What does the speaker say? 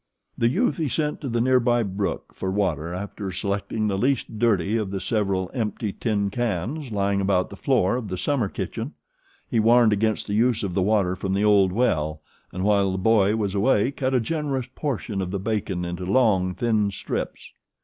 The youth he sent to the nearby brook for water after selecting the least dirty of the several empty tin cans lying about the floor of the summer kitchen. He warned against the use of the water from the old well and while the boy was away cut a generous portion of the bacon into long, thin strips.